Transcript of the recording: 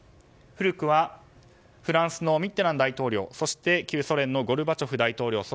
古くはフランスのミッテラン大統領そして旧ソ連のゴルバチョフ大統領